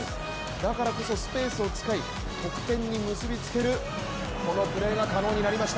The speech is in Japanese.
だからこそスペースを使い得点に結びつけるこのプレーが可能になりました。